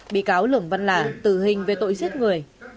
bị cáo lường văn lạ tử hình về tội giết người